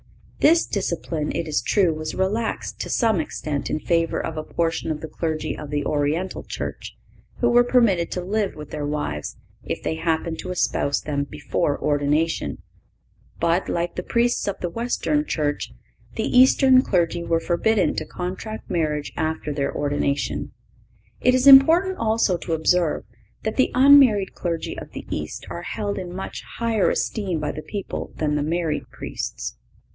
This discipline, it is true, was relaxed to some extent in favor of a portion of the clergy of the Oriental Church, who were permitted to live with their wives if they happened to espouse them before ordination; but, like the Priests of the Western Church, the Eastern clergy were forbidden to contract marriage after their ordination. It is important also to observe that the unmarried clergy of the East are held in much higher esteem by the people than the married Priests.